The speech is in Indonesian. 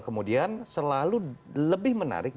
kemudian selalu lebih menarik